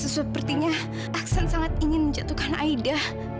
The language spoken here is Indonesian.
sepertinya aksan sangat ingin menjatuhkan aida